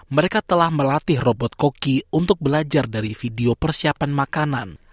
mereka telah melatih robot koki untuk belajar dari video persiapan makanan